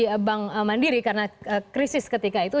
di bank mandiri karena krisis ketika itu